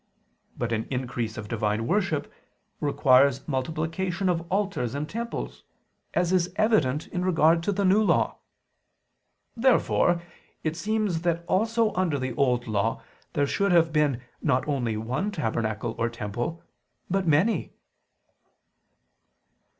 But an increase of divine worship requires multiplication of altars and temples; as is evident in regard to the New Law. Therefore it seems that also under the Old Law there should have been not only one tabernacle or temple, but many.